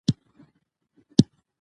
حکومت باید د لیکوالانو ملاتړ وکړي.